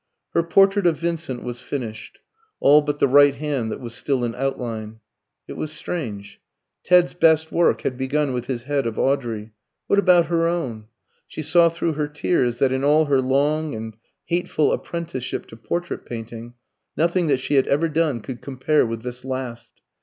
Her portrait of Vincent was finished all but the right hand, that was still in outline. It was strange. Ted's best work had begun with his head of Audrey. What about her own? She saw through her tears that in all her long and hateful apprenticeship to portrait painting, nothing that she had ever done could compare with this last.